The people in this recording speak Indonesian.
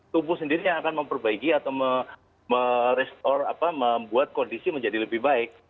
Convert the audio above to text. tubuh sendiri yang akan memperbaiki atau merestor membuat kondisi menjadi lebih baik